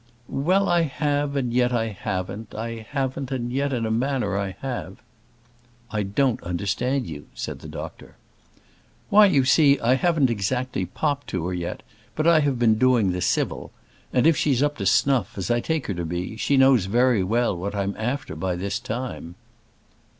"Well, I have and yet I haven't; I haven't, and yet in a manner I have." "I don't understand you," said the doctor. "Why, you see, I haven't exactly popped to her yet; but I have been doing the civil; and if she's up to snuff, as I take her to be, she knows very well what I'm after by this time."